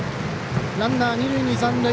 ランナー、二塁に残塁。